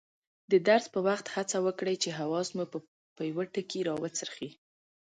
د درس په وخت هڅه وکړئ چې حواس مو په یوه ټکي راوڅرخي.